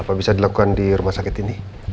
apa bisa dilakukan di rumah sakit ini